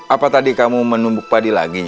apa tadi kamu menumbuk padi lagi